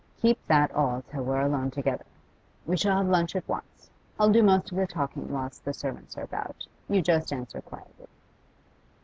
Keep that all till we're alone together. We shall have lunch at once; I'll do most of the talking whilst the servants are about; you just answer quietly.